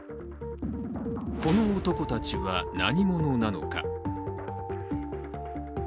この男たちは何者なのか？